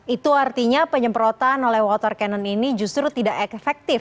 itu artinya penyemprotan oleh water cannon ini justru tidak efektif